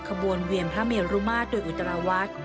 ขบวนเวียนพระเมรุมาตรโดยอุตราวัด